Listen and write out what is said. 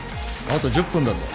あと１０分だぞ。